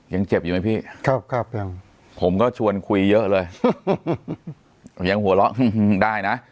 ยังเจ็บอยู่ไหมพี่ครับยังผมก็ชวนคุยเยอะเลยยังหัวเราะได้นะ